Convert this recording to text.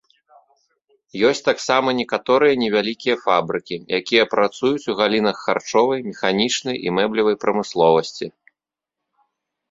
Ёсць таксама некаторыя невялікія фабрыкі, якія працуюць у галінах харчовай, механічнай і мэблевай прамысловасці.